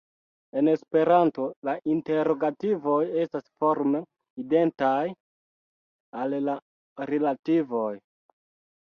En Esperanto, la interogativoj estas forme identaj al la rilativoj.